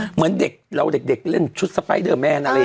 เหมือนเด็กเราเด็กเล่นชุดสไปเดอร์แมนอะไรอย่างนี้